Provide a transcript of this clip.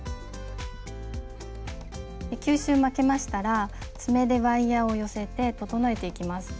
９周巻きましたら爪でワイヤーを寄せて整えていきます。